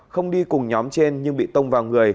không đi cùng nhóm trên nhưng bị tông vào người